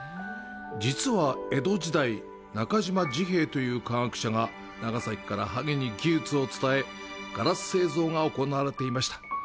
実は、江戸時代、中島治平という科学者が長崎から萩に技術を伝え、ガラス製造が行われていました。